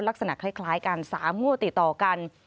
ลักษณะคล้ายกัน๓งวดติดต่อกัน